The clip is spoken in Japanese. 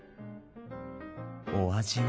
お味は？